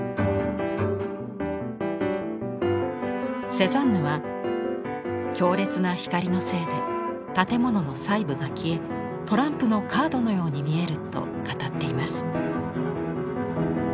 セザンヌは強烈な光のせいで建物の細部が消えトランプのカードのように見えると語っています。